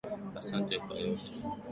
Asante kwa yote.